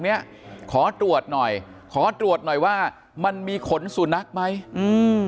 เนี้ยขอตรวจหน่อยขอตรวจหน่อยว่ามันมีขนสุนัขไหมอืม